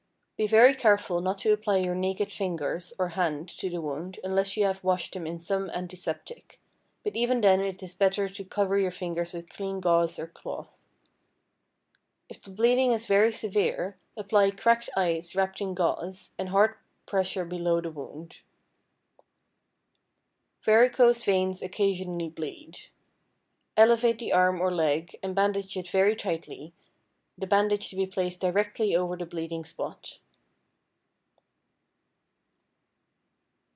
Be very careful not to apply your naked fingers or hand to the wound unless you have washed them in some antiseptic, but even then it is better to cover your fingers with clean gauze or cloth. If the bleeding is very severe, apply cracked ice wrapped in gauze, and hard pressure below the wound. Varicose veins occasionally bleed. Elevate the arm or leg and bandage it very tightly, the bandage to be placed directly over the bleeding spot.